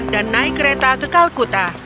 dan naik kereta ke calcutta